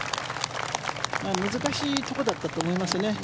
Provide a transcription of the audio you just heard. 難しいところだったと思いますね。